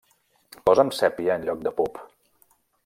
Posa'm sépia en lloc de polp.